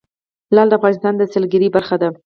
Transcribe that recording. لعل د افغانستان د سیلګرۍ برخه ده.